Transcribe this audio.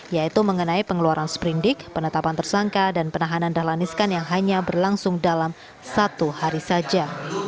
yaitu mengenai pengeluaran sprindik penetapan tersangka dan penahanan dahlan iskan yang hanya berlangsung dalam satu hari saja